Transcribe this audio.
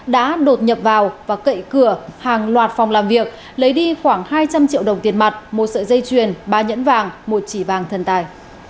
đã đột nhập vào và cậy cửa hàng loạt phòng làm việc lấy đi khoảng hai trăm linh triệu đồng tiền mặt một sợi dây chuyền ba nhẫn vàng một chỉ vàng thần tài